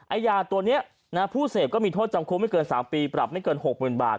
ยาตัวนี้ผู้เสพก็มีโทษจำคุกไม่เกิน๓ปีปรับไม่เกิน๖๐๐๐บาท